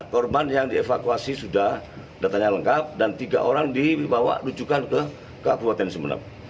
korban yang dievakuasi sudah datanya lengkap dan tiga orang dibawa rujukan ke kabupaten sumeneb